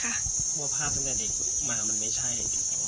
เพราะว่าภาพตั้งแต่เด็กมามันไม่ใช่